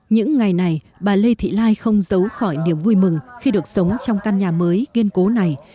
những ngày này bà lê thị lai không giấu khỏi niềm vui mừng khi được sống trong căn nhà mới kiên cố này